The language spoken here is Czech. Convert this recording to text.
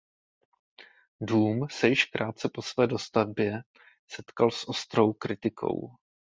Dům se již krátce po své dostavbě setkal s ostrou kritikou.